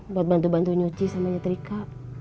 buat bantu bantu nyuci sama nyetrika